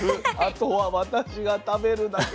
後は私が食べるだけ。